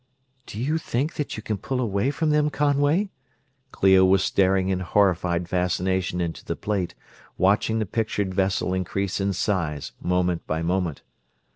"Do you think that you can pull away from them, Conway?" Clio was staring in horrified fascination into the plate, watching the pictured vessel increase in size, moment by moment.